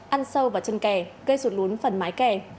ăn sâu vào chân kè gây sụt lún phần mái kè